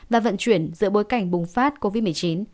và vận chuyển giữa bối cảnh bùng phát covid một mươi chín